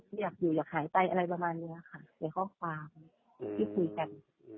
อยากอยู่อยากหายไปอะไรประมาณนี้ค่ะในข้อความที่คุยกัน